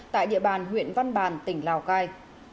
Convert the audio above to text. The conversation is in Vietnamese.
tại địa bàn huyện văn bàn tỉnh lào cai